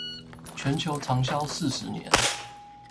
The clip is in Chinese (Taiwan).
全球長銷四十年